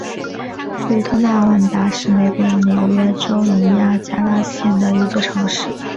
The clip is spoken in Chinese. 北托纳万达是美国纽约州尼亚加拉县的一座城市。